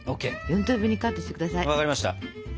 分かりました。